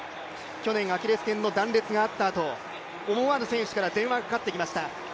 去年、アキレスけんの断裂があったあと思わぬ選手から電話がかかってきました。